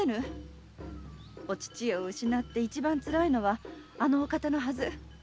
お父上を失って一番辛いのはあのお方のはず。